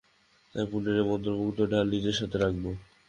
তাই পুণ্যের এই মন্ত্রমুগ্দ্ধ ঢাল নিজের সাথে রাখো।